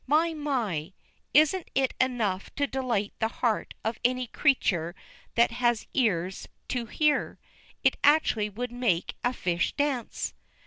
My! My! Isn't it enough to delight the heart of any creature that has ears to hear? It actually would make a fish dance.